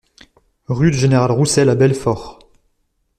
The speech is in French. Rue du Général Roussel à Belfort